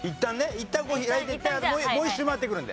いったん開いていったらもう１周回ってくるので。